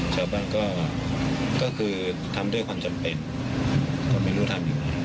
ชาวบ้านก็คือทำด้วยความจำเป็นก็ไม่รู้ทำอยู่